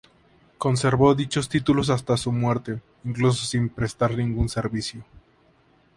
Conservó dicho título hasta su muerte, incluso sin prestar ningún servicio.